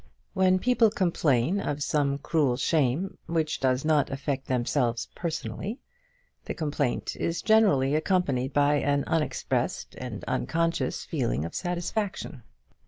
When people complain of some cruel shame, which does not affect themselves personally, the complaint is generally accompanied by an unexpressed and unconscious feeling of satisfaction.